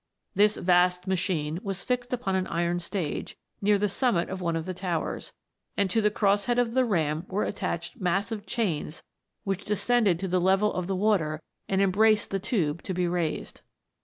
This vast machine was fixed upon an iron stage, near the summit of one of the towers, and to the cross head of the ram were attached massive chains, which descended to the level of the water, and em braced the tube to be raised.